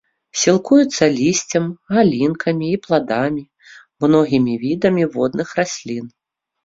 Сілкуецца лісцем, галінкамі і пладамі, многімі відамі водных раслін.